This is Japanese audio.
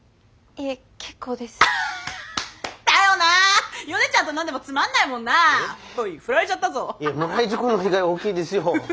いえもらい事故の被害大きいですよ。